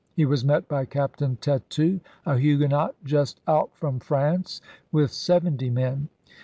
He was met by Captain Tetu, a Huguenot just out from France, with seventy men.